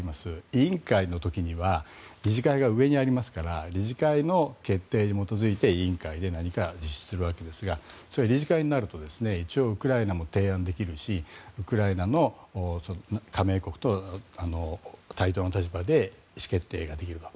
委員会の時には理事会が上にありますから理事会の決定に基づいて委員会で何か実施するわけですが理事会になると一応ウクライナも提案できるしウクライナも加盟国と対等な立場で意思決定ができると。